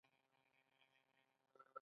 بزگر په خپله ځمکه کې کښت کوي.